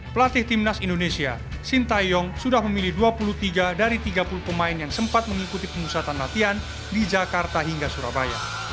pelatih timnas indonesia sintayong sudah memilih dua puluh tiga dari tiga puluh pemain yang sempat mengikuti pengusatan latihan di jakarta hingga surabaya